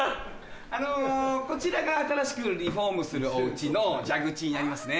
あのこちらが新しくリフォームするお家の蛇口になりますね。